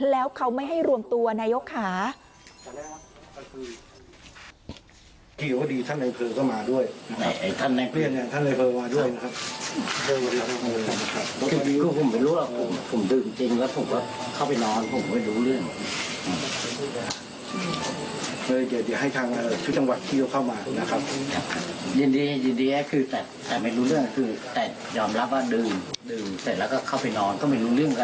แล้วเขาไม่ให้รวมตัวนายกค่ะ